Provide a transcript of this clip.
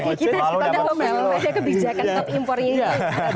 kita sudah melalui kebijakan top impornya itu